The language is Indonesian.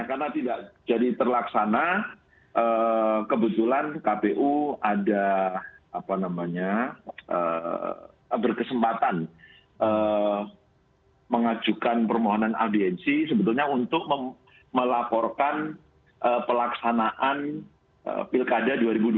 karena tidak jadi terlaksana kebetulan kpu ada berkesempatan mengajukan permohonan audiensi sebetulnya untuk melaporkan pelaksanaan pilkada dua ribu dua puluh